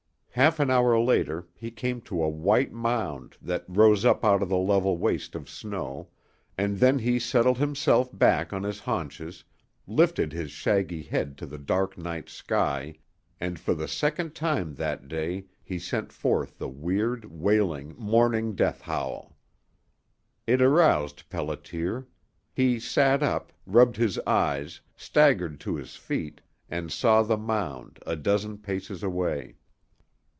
Half an hour later he came to a white mound that rose up out of the level waste of snow, and then he settled himself back on his haunches, lifted his shaggy head to the dark night sky, and for the second time that day he sent forth the weird, wailing, mourning death howl. It aroused Pelliter. He sat up, rubbed his eyes, staggered to his feet, and saw the mound a dozen paces away.